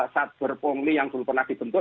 satu berpungli yang dulu pernah dipentuk